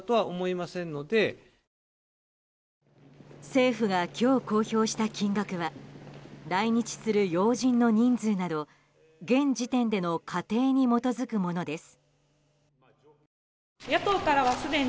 政府が今日公表した金額は来日する要人の人数など現時点での仮定に基づくものです。